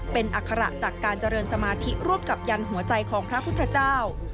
เป็นอัคระจากการเจริญสมาธิร่วมกับยันหัวใจของพระพุทธเจ้า